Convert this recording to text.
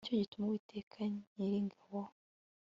ni cyo gituma uwiteka nyiringabo